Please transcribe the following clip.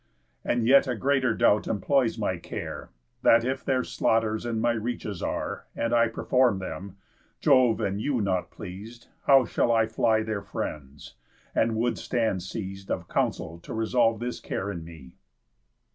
And yet a greater doubt employs my care, That if their slaughters in my reaches are, And I perform them, Jove and you not pleas'd, How shall I fly their friends? And would stand seis'd Of counsel to resolve this care in me."